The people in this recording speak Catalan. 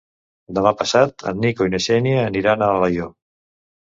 Demà passat en Nico i na Xènia aniran a Alaior.